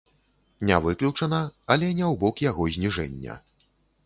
Не выключана, але не ў бок яго зніжэння.